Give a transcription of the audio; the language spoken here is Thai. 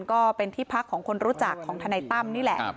ก็เป็นที่พักของคนรู้จักของทนายตั้มนี่แหละ